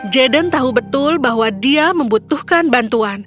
jaden tidak tahu bahwa dia membutuhkan bantuan